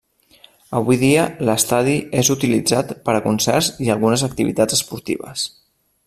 Avui dia l'estadi és utilitzat per a concerts i algunes activitats esportives.